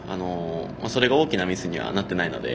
それが大きなミスにはなっていないので。